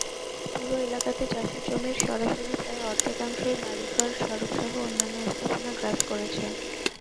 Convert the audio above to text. পুরো এলাকাতে চাষের জমির সরাসরি প্রায় অর্ধেকাংশই বাড়ি-ঘর-সড়কসহ অন্যান্য স্থাপনা গ্রাস করেছে।